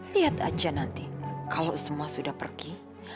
lihat aja nanti kalau semua sudah pergi